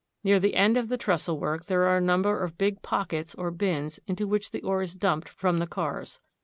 Near the end of the trestle work there are a number of big pockets, or bins, into which the ore is dumped from the cars.